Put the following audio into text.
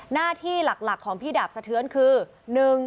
หน้าที่หลักของพี่ดาบสะเทือนคือ